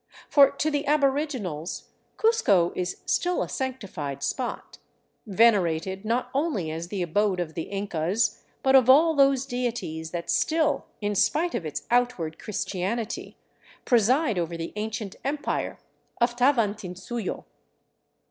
" For to the aboriginals Cuzco is still a sanctified spot, venerated not only as the abode of the Incas, but of all those deities that still, in spite of its outward Chris tianity, preside over the ancient Empire of Tavantinsuyo.